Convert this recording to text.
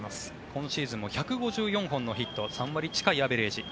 今シーズンも１５４本のヒット３割近いアベレージ。